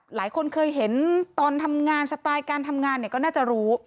หลายคนเคยเห็นตอนทำงานสไตล์การทำงานเนี่ยก็น่าจะรู้